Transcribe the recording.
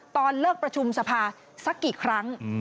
ตอนเลิกประชุมสภาสักกี่ครั้ง